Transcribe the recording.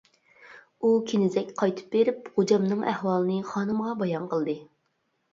ئۇ كېنىزەك قايتىپ بېرىپ خوجامنىڭ ئەھۋالىنى خانىمغا بايان قىلدى.